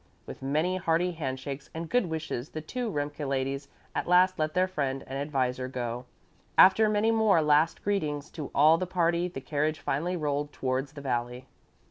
With many hearty handshakes and good wishes the two Remke ladies at last let their friend and adviser go. After many more last greetings to all the party the carriage finally rolled towards the valley.